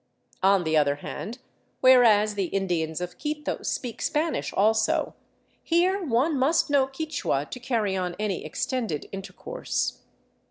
On the other hand, whereas the Indians of Quito speak Spanish also, 428 THE CITY OF THE SUN here one must know Quichua to carry on any extended intercourse.